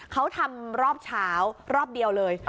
เขาทำรอบเช้ารอบเดียวเลย